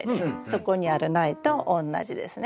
そこにある苗と同じですね。